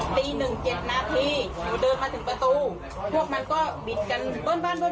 ตีหนึ่งเจ็บนาทีผมเดินมาถึงประตู